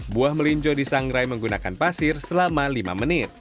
buah melinjo disangrai menggunakan pasir selama lima menit